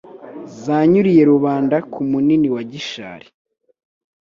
Zanyuriye Rubanda Ku Munini wa Gishali